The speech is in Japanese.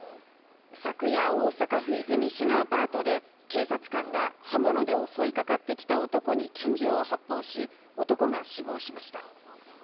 昨夜、大阪府和泉市のアパートで警察官が刃物で襲いかかってきた男に拳銃を発砲し、男が死亡しました。